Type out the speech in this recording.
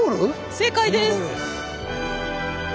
正解です。